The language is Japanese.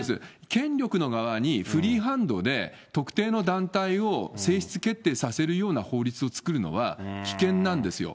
権力の側にフリーハンドで、特定の団体を性質決定させるような法律を作るのは危険なんですよ。